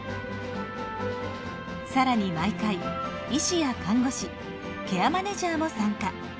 更に毎回医師や看護師ケアマネジャーも参加。